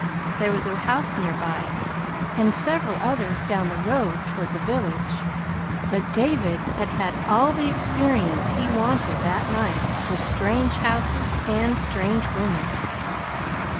There was a house near by, and several others down the road toward the village; but David had had all the experience he wanted that night with strange houses, and strange women.